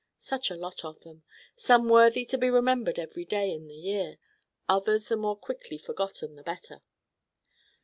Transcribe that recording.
Such a lot of them! Some worthy to be remembered every day in the year, others the more quickly forgotten the better.